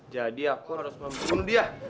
jadi aku harus membunuh dia